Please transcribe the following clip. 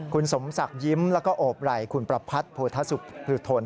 คุณสมศักดิ์ยิ้มแล้วก็โอบไหล่คุณประพัทธ์โพธสุขภูทน